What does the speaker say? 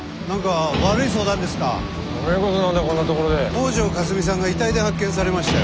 北條かすみさんが遺体で発見されましたよ。